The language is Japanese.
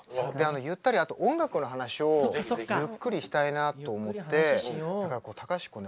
ゆったりあと音楽の話をゆっくりしたいなと思ってだから隆子ね